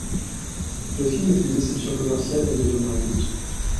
Le film est une déception commerciale, mais deviendra culte.